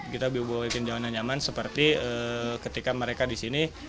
kita buat zona nyaman seperti ketika mereka di sini